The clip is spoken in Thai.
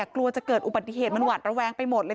กลัวจะเกิดอุบัติเหตุมันหวัดระแวงไปหมดเลย